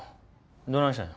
どないしたんや。